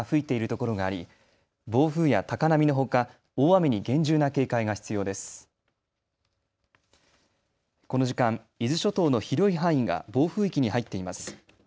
この時間、伊豆諸島の広い範囲が暴風域に入っています。